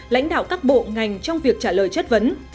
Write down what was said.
lãnh đạo các bộ ngành trong việc trả lời chất vấn